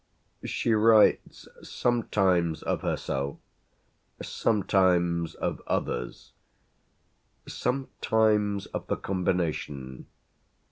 She writes sometimes of herself, sometimes of others, sometimes of the combination.